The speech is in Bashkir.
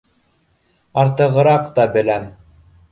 —- Артығыраҡ та беләм